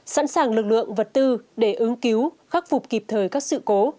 sẵn sàng lực lượng vật tư để ứng cứu khắc phục kịp thời các sự cố